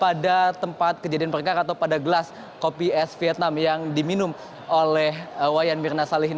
pada tempat kejadian perkara atau pada gelas kopi es vietnam yang diminum oleh wayan mirna salihin